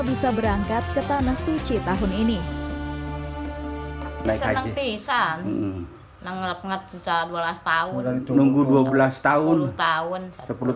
bisa berangkat ke tanah suci tahun ini bisa bisa nengelap ngelap dua belas tahun tunggu dua belas tahun tahun sepuluh